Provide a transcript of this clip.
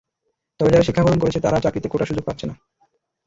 তবে যারা শিক্ষা গ্রহণ করছে তারাও চাকরিতে কোটার সুযোগ পাচ্ছে না।